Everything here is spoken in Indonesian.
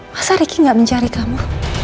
masa ricky gak mencari kamu